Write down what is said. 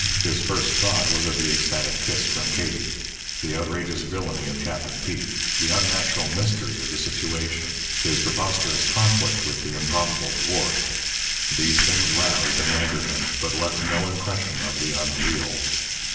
His first thought was of the ecstatic kiss from Katie. The outrageous villainy of Captain Peek, the unnatural mystery of the situation, his preposterous conflict with the improbable dwarf these things roused and angered him, but left no impression of the unreal.